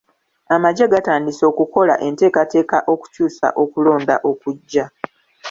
Amagye gatandise okukola enteekateeka okukyusa okulonda okujja.